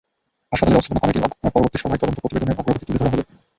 হাসপাতাল ব্যবস্থাপনা কমিটির পরবর্তী সভায় তদন্ত প্রতিবেদনের অগ্রগতি তুলে ধরা হবে।